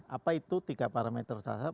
apa itu tiga parameter saja